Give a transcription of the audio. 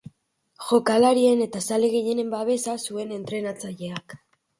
Jokalarien eta zale gehienen babesa zuen entrenatzaileak.